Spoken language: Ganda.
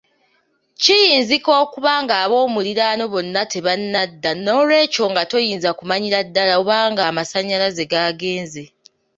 Kiyinzika okuba ng’aboomuliraano bonna tebannadda, n’olwekyo nga toyinza kumanyira ddala oba ng’amasannyalaze gaagenze.